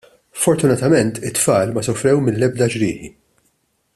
Fortunatament it-tfal ma sofrew mill-ebda ġrieħi.